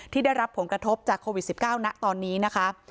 ได้รับผลกระทบจากโควิด๑๙ณตอนนี้นะคะ